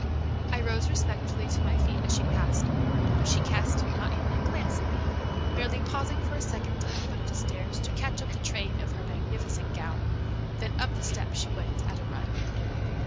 I rose respectfully to my feet as she passed, but she cast not even a glance at me, merely pausing for a second at the foot of the stairs to catch up the train of her magnificent gown, then up the steps she went at a run.